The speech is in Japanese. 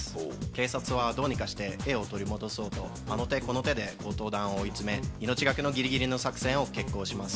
警察はどうにかして絵を取り戻そうとあの手この手で強盗団を追い詰め命懸けのギリギリの作戦を決行します。